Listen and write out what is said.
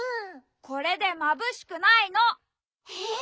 これでまぶしくないの！えっ？